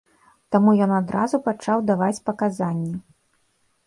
Таму ён адразу пачаў даваць паказанні.